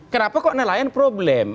kenapa kok nelayan problem